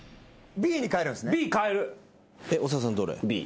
Ｂ。